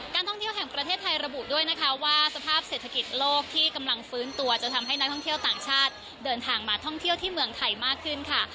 ท่องเที่ยวแห่งประเทศไทยระบุด้วยนะคะว่าสภาพเศรษฐกิจโลกที่กำลังฟื้นตัวจะทำให้นักท่องเที่ยวต่างชาติเดินทางมาท่องเที่ยวที่เมืองไทยมากขึ้นค่ะ